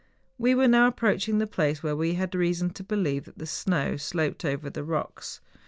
We were now approaching the place where we had reason to believe that the snow sloped over the rocks.